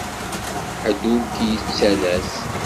Ḥedd ur k-yettalas.